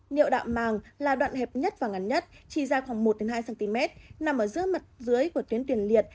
nhiệu đạo màng là đoạn hẹp nhất và ngắn nhất chỉ dài khoảng một hai cm nằm ở giữa mặt dưới của tuyến tuyển liệt